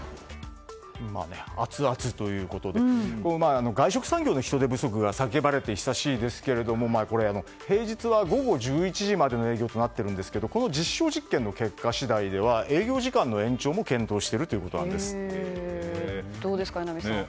アツアツということで外食産業の人手不足が叫ばれて久しいですが平日は午後１１時までの営業となっているんですがこの実証実験の結果次第では営業時間の延長もどうですか、榎並さん。